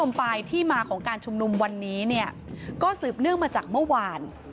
ความปลายที่มาของการชุมนุมวันนี้ก็สืบเนื้อมาจากเมื่อวาน